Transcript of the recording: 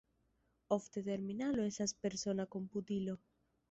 Ofte terminalo estas persona komputilo.